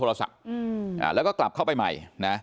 เหมือนกับโทรศัพท์แล้วก็กลับเข้าไปใหม่